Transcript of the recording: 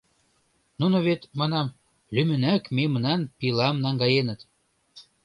Нуно вет, — манам, — лӱмынак мемнан пилам наҥгаеныт.